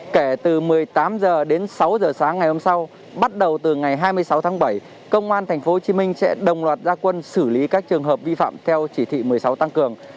kể từ một mươi tám h đến sáu h sáng ngày hôm sau bắt đầu từ ngày hai mươi sáu tháng bảy công an thành phố hồ chí minh sẽ đồng loạt gia quân xử lý các trường hợp vi phạm theo chỉ thị một mươi sáu tăng cường